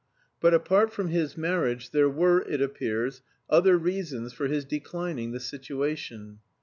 But apart from his marriage there were, it appears, other reasons for his declining the situation.